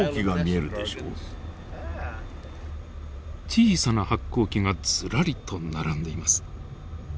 小さな発光器がずらりと並んでいます。